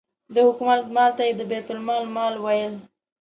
د حکومت مال ته یې د بیت المال مال ویل.